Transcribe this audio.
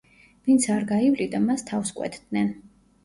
ვინც არ გაივლიდა, მას თავს კვეთდნენ.